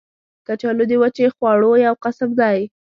کچالو د وچې خواړو یو قسم دی